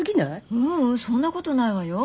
ううんそんなことないわよ。